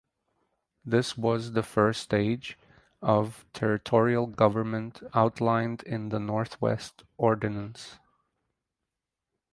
This was the first stage of territorial government outlined in the Northwest Ordinance.